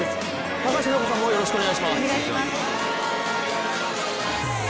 高橋尚子さんもよろしくお願いします。